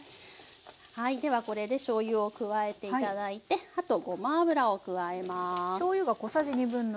はいではこれでしょうゆを加えて頂いてあとごま油を加えます。